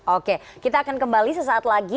oke kita akan kembali sesaat lagi